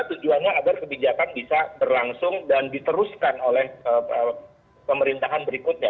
tujuannya agar kebijakan bisa berlangsung dan diteruskan oleh pemerintahan berikutnya